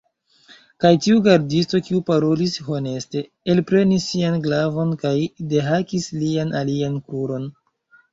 Kaj tiu gardisto, kiu parolis honeste, elprenis sian glavon kaj dehakis lian alian kruron.